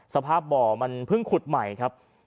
สภาพบ่อมันเพิ่งขุดใหม่ครับ